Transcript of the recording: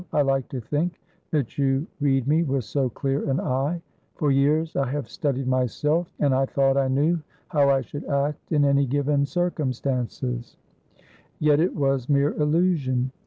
I like to think that you read me with so clear an eye. For years I have studied myself, and I thought I knew how I should act in any given circumstances; yet it was mere illusion.